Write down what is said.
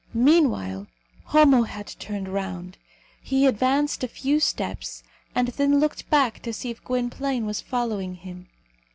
Meanwhile, Homo had turned round. He advanced a few steps, and then looked back to see if Gwynplaine was following him.